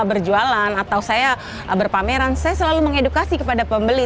berjualan atau saya berpameran saya selalu mengedukasi kepada pembeli